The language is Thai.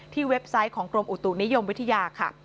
เว็บไซต์ของกรมอุตุนิยมวิทยาค่ะ